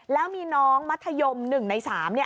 แล้วมีน้องมัธยม๑ใน๓เนี่ย